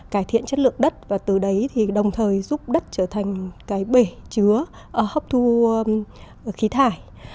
cải thiện chất lượng đất và từ đấy thì đồng thời giúp đất trở thành cái bể chứa hấp thu khí thải